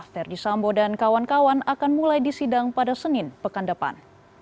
verdi sambo dan kawan kawan akan mulai disidang pada senin pekan depan